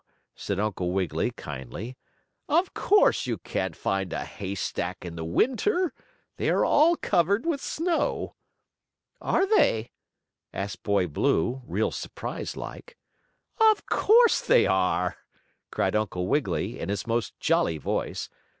said Uncle Wiggily, kindly. "Of course you can't find a hay stack in the winter. They are all covered with snow." "Are they?" asked Boy Blue, real surprised like. "Of course, they are!" cried Uncle Wiggily, in his most jolly voice.